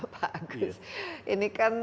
bagus ini kan